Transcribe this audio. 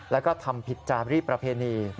แล้วก็ทำผิดจารีประเพณี